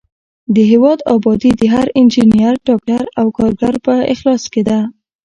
د هېواد ابادي د هر انجینر، ډاکټر او کارګر په اخلاص کې ده.